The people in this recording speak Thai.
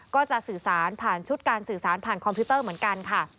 ก็จะสื่อสารผ่านชุดการสื่อสารผ่านคอมพิวเตอร์เหมือนกันค่ะ